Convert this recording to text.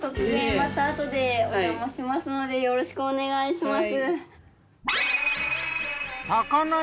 またあとでおじゃましますのでよろしくお願いします。